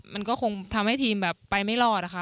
มันก็คงทำให้ทีมแบบไปไม่รอดอะค่ะ